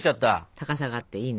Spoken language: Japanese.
高さがあっていいね。